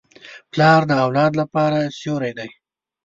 پلار د اولاد لپاره سیوری دی.